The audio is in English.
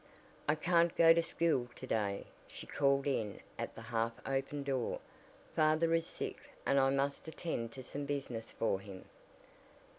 "I can't go to school to day," she called in at the half opened door. "Father is sick, and I must attend to some business for him."